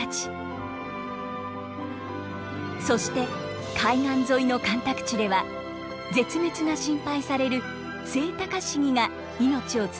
そして海岸沿いの干拓地では絶滅が心配されるセイタカシギが命をつなぎます。